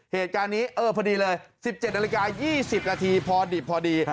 เหตุการณ์นี้เออพอดีเลย๑๗นาฬิกา๒๐นาทีพอดิบพอดี